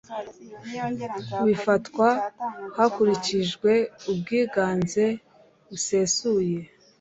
bifatwa hakurikijwe ubwiganze busesuye